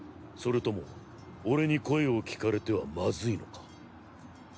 それとも俺に声を聞かれてはまずいのか？